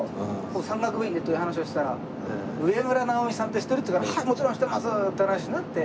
山岳部員でっていう話をしたら「植村直己さんって知ってる？」って言うから「はいもちろん知ってます！」っていう話になって。